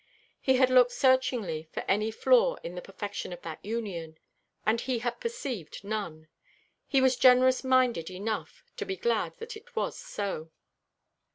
He had looked searchingly for any flaw in the perfection of that union, and he had perceived none. He was generous minded enough to be glad that it was so.